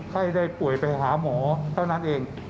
ไข้ได้ป่วยไปหาหมอเท่านั้นเอง